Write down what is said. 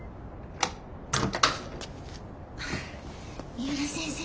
三浦先生